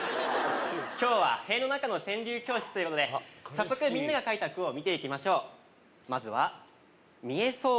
今日は塀の中の川柳教室ということで早速みんなが書いた句を見ていきましょう